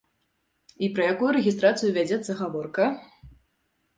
І пра якую рэгістрацыю вядзецца гаворка?